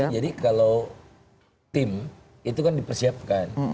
jadi kalau tim itu kan dipersiapkan